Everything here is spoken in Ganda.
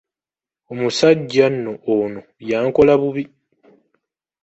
Omusajja nno ono yankola bubi.